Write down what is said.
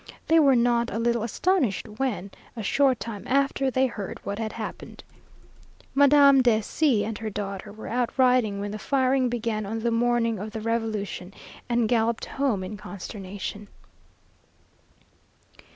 They were not a little astonished when, a short time after, they heard what had happened. Madame de C and her daughter were out riding when the firing began on the morning of the revolution, and galloped home in consternation.